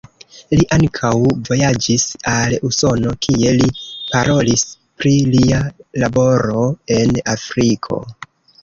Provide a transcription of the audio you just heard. Li ankaŭ vojaĝis al Usono, kie li parolis pri lia laboro en Afriko.